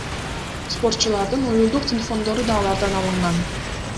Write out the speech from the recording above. Спортчулардын уюлдук телефондору да алардан алынган.